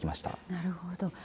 なるほど。